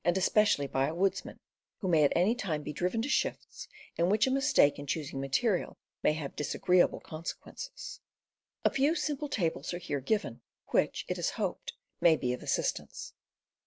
especially by a woodsman, who may at w A ^^y time be driven to shifts in which a mistake in choosing material may have disagreeable consequences. A few simple tables are here given, which, it is hoped, may be of assistance.